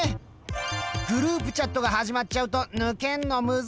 グループチャットが始まっちゃうと抜けんのムズいし